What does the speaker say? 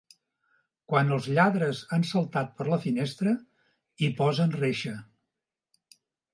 Quan els lladres han saltat per la finestra, hi posen reixa.